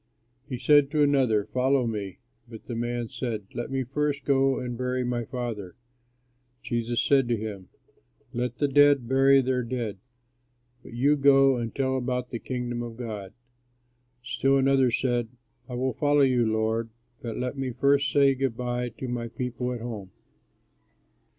He said to another, "Follow me"; but the man said, "Let me first go and bury my father." Jesus said to him, "Let the dead bury their dead, but you go and tell about the Kingdom of God." Still another said, "I will follow you, Lord, but let me first say good by to my people at home."